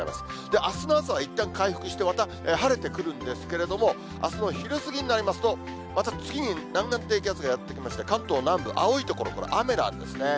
あすの朝はいったん回復して、また晴れてくるんですけれども、あすの昼過ぎになりますと、また次に南岸低気圧がやって来まして、関東南部、青い所、これ、雨なんですね。